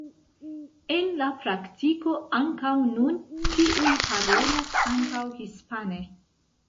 En la praktiko ankaŭ nun ĉiuj parolas ankaŭ hispane.